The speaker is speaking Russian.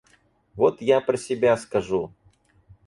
Вот я про себя скажу.